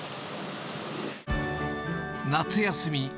夏休み。